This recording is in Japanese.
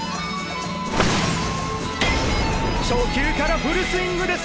初球からフルスイングです。